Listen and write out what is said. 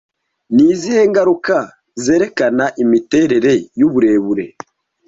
Ni izihe ngaruka zerekana imiterere y'uburebure